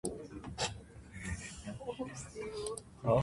Enokitake mushrooms contain antioxidants, like ergothioneine.